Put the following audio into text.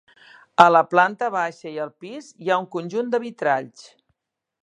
A la planta baixa i al pis hi ha un conjunt de vitralls.